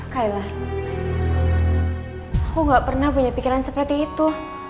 kayla aku gak pernah punya pikiran seperti itu